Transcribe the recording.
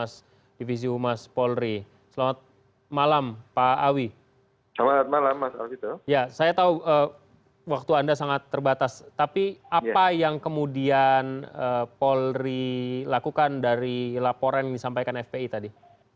saya tahu waktu anda sangat terbatas tapi apa yang kemudian polri lakukan dari laporan yang disampaikan fpi tadi